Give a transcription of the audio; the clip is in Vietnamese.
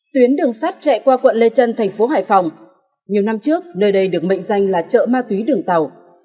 tuyến đường sắt chạy qua quận lê trân thành phố hải phòng nhiều năm trước nơi đây được mệnh danh là chợ ma túy đường tàu